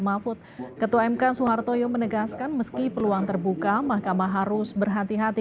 mahfud ketua mk soehartoyo menegaskan meski peluang terbuka mahkamah harus berhati hati